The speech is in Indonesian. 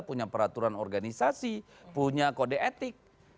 punya peraturan organisasi punya kode etik